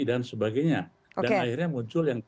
dan sebagainya dan akhirnya muncul